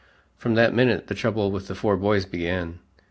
From that minute the trouble with the four boys began.